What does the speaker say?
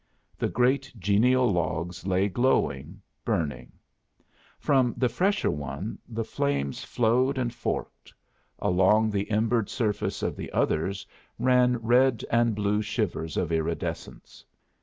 The great genial logs lay glowing, burning; from the fresher one the flames flowed and forked; along the embered surface of the others ran red and blue shivers of iridescence.